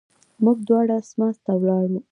موږ دواړه اسماس ته ولاړو.